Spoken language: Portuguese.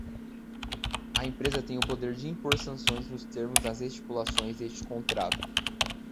A empresa tem o poder de impor sanções nos termos das estipulações deste contrato.